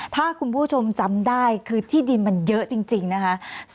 ถ้าคุณผู้ชมจำได้คือที่ดินมันเยอะจริงนะคะ